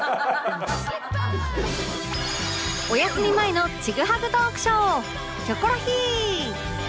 お休み前のちぐはぐトークショー